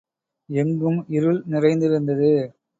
எங்கும் இருள் நிறைந்திருந்தது.